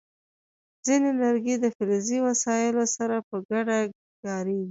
ځینې لرګي د فلزي وسایلو سره په ګډه کارېږي.